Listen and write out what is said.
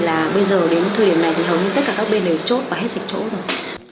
và bây giờ đến thời điểm này thì hầu như tất cả các bên này chốt và hết sạch chỗ rồi